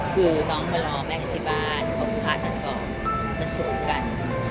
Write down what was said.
คือน้องมารอแม่อยู่ที่บ้านของพระท่านก่อนไปสู่กัน